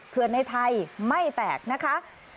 เขื่อนในไทยไม่แตกนะคะ